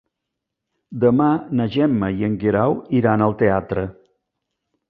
Demà na Gemma i en Guerau iran al teatre.